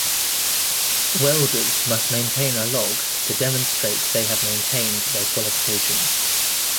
Welders must maintain a log to demonstrate they have maintained their Qualifications.